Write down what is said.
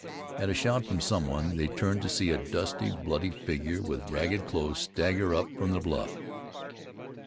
At a shout from some one they turned to see a dusty, bloody figure, with ragged clothes, stagger up from the bluff.